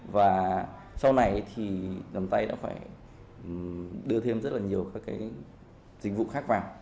và sau này thì cầm tay đã phải đưa thêm rất là nhiều các cái dịch vụ khác vào